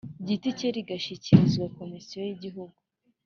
giti cye rigashyikirizwa Komisiyo y Igihugu